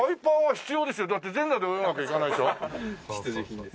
必需品です。